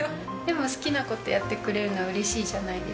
でも好きな事やってくれるのは嬉しいじゃないですか。